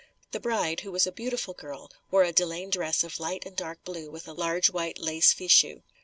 The bride, who was a beautiful girl, wore a delaine dress of light and dark blue with a large white lace fichu.